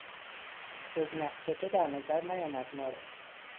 جز نقش تو در نظر نیامد ما را